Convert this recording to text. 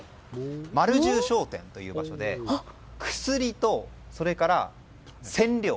マル十商店という場所で薬と、それから染料。